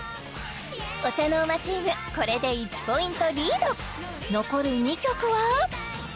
ＯＣＨＡＮＯＲＭＡチームこれで１ポイントリード残る２曲は？